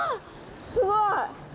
すごい！